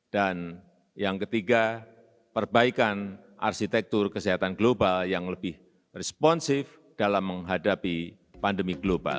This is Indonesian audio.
dan yang ketiga perbaikan arsitektur kesehatan global yang lebih responsif dalam menghadapi pandemi